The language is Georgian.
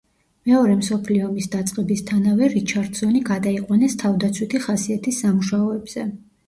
მეორე მსოფლიო ომის დაწყებისთანავე რიჩარდსონი გადაიყვანეს თავდაცვითი ხასიათის სამუშაოებზე.